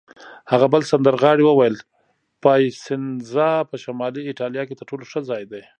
هغه بل سندرغاړي وویل: پایسنزا په شمالي ایټالیا کې تر ټولو ښه ځای دی.